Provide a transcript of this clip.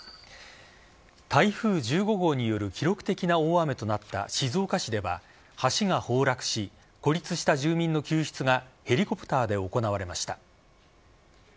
台風１５号による記録的な大雨となった静岡市では橋が崩落し孤立した住民の救出がヘリコプターで行われました。